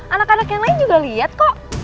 anak anak yang lain juga lihat kok